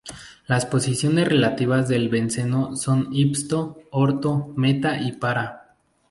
Las posiciones relativas del benceno son ipso, orto, meta y para.